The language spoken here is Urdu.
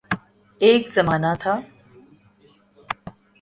ایک زمانہ تھا۔